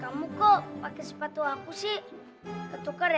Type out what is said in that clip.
kamu kok pake sepatu aku sih ketuker ya